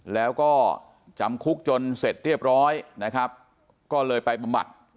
แล้วก็จำคุกจนเสร็จเรียบร้อยนะครับก็เลยไปบำบัด